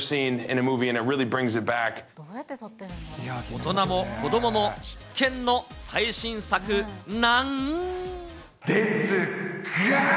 大人も子どもも必見の最新作なん。